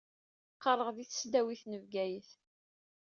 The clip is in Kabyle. Qqaṛeɣ di tesdawit n Bgayet.